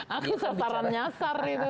aku sasaran nyasar itu